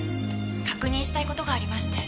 確認したい事がありまして。